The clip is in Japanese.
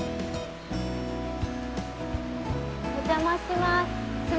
お邪魔します。